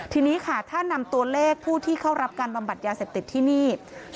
ทีนี้ค่ะถ้านำตัวเลขผู้ที่เข้ารับการบำบัดยาเสพติดที่นี่